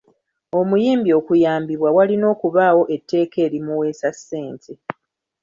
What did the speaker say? Omuyimbi okuyambibwa walina okubaawo etteeka erimuweesa ssente.